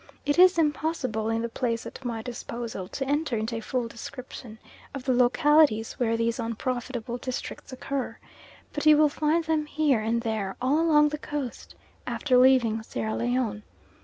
It is impossible in the space at my disposal to enter into a full description of the localities where these unprofitable districts occur, but you will find them here and there all along the Coast after leaving Sierra Leone.